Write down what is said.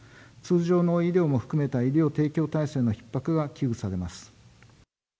通常の医療も含めた医療提供体制のひっ迫が危惧されます。